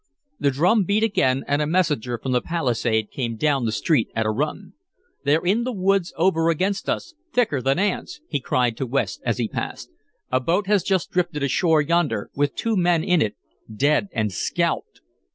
The drum beat again, and a messenger from the palisade came down the street at a run. "They're in the woods over against us, thicker than ants!" he cried to West as he passed. "A boat has just drifted ashore yonder, with two men in it, dead and scalped!"